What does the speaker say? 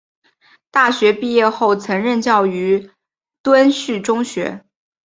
大学毕业后曾任教于敦叙中学。